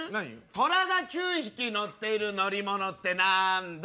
「トラが９匹乗っている乗り物ってなんだ？」